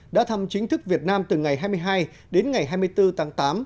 đã thăm chính thức việt nam từ ngày hai mươi hai đến ngày hai mươi bốn tháng tám